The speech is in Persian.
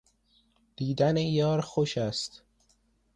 دیدن یار خوش است